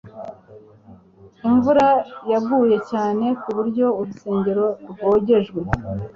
imvura yaguye cyane kuburyo urusengero rwogejwe